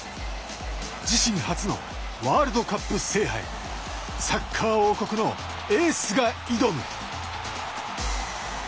自身初のワールドカップ制覇へサッカー王国のエースが挑む。